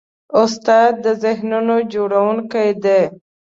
استاد د ذهنونو جوړوونکی دی.